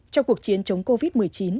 trong cuộc chiến chống covid một mươi chín